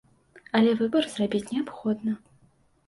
Але выбар зрабіць неабходна.